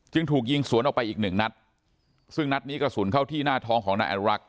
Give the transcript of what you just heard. ถูกยิงสวนออกไปอีกหนึ่งนัดซึ่งนัดนี้กระสุนเข้าที่หน้าท้องของนายอนุรักษ